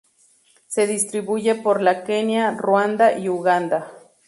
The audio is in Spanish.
Se distribuye por la Kenia, Ruanda y Uganda.